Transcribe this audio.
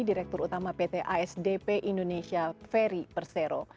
direktur utama pt asdp indonesia ferry persero